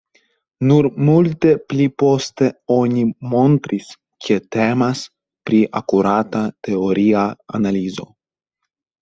Nur multe pli poste oni montris, ke temas pri akurata teoria analizo.